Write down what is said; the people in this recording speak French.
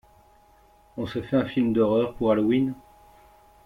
On se fait un film d'horreur pour Halloween?